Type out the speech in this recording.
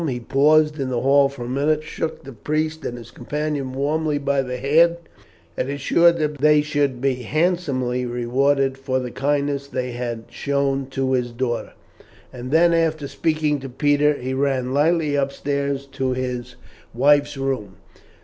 He paused in the hall for a minute, shook the priest and his companion warmly by the hand, and assured them that they should be handsomely rewarded for the kindness they had shown to his daughter, and then after speaking to Peter he ran lightly upstairs to his wife's room.